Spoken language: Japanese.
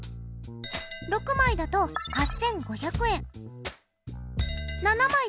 ７枚だと１０５００円。